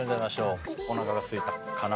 おなかがすいたかな？